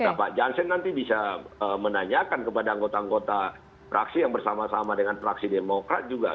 nah pak jansen nanti bisa menanyakan kepada anggota anggota praksi yang bersama sama dengan praksi demokrat juga